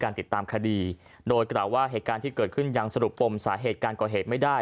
ติดตามคดีโดยกล่าวว่าเหตุการณ์ที่เกิดขึ้นยังสรุปปมสาเหตุการก่อเหตุไม่ได้